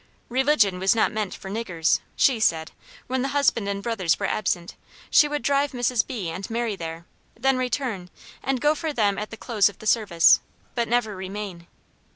"Religion was not meant for niggers," SHE said; when the husband and brothers were absent, she would drive Mrs. B. and Mary there, then return, and go for them at the close of the service, but never remain.